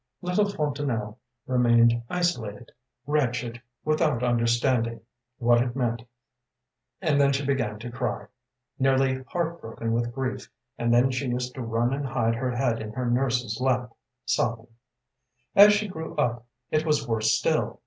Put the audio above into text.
“Little Fontanelle remained isolated, wretched, without understanding what it meant, and then she began to cry, nearly heartbroken with grief, and then she used to run and hide her head in her nurse's lap, sobbing. “As she grew up, it was worse still.